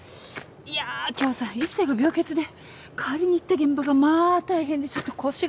いやあ今日さ一星が病欠で代わりに行った現場がまあ大変でちょっと腰が。